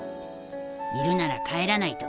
いるなら帰らないと。